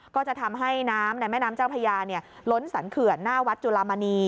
ก็จะทำให้น้ำในแม่น้ำเจ้าพญาล้นสรรเขื่อนหน้าวัดจุลามณี